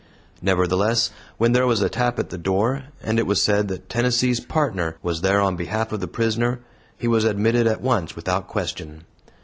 Nevertheless, when there was a tap at the door, and it was said that Tennessee's Partner was there on behalf of the prisoner, he was admitted at once without question.